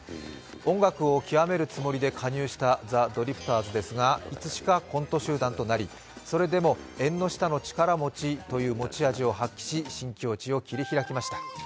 音楽を極めるつもりで加入したザ・ドリフターズですがいつしかコント集団となり、それでも縁の下の力持ちという持ち味を発揮し、新境地を切り開きました。